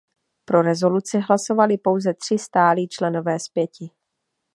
Pro rezoluci hlasovali pouze tři stálí členové z pěti.